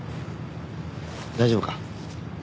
大丈夫か？